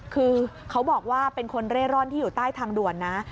คือเขาบอกว่าเป็นคนเร่ร่อนที่อยู่ใต้ทางด่วนนะ